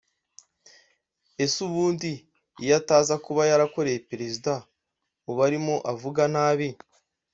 Ese ubundi iyo ataza kuba yarakoreye Perezida ubu arimo avuga nabi